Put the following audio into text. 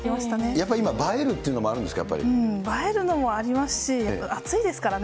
やっぱり今、映えるというのうん、映えるのもありますし、やっぱ暑いですからね。